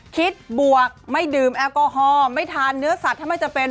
บวกไม่ดื่มแอลกอฮอล์ไม่ทานเนื้อสัตว์ถ้าไม่จำเป็น